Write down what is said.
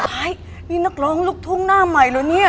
ไอ้นี่นักร้องลูกทุ่งหน้าใหม่เหรอเนี่ย